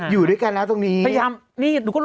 อยู่ด้วยกันแล้วตรงนี้